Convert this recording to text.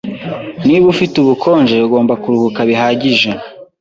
Niba ufite ubukonje, ugomba kuruhuka bihagije.